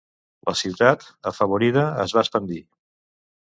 La ciutat, afavorida, es va expandir.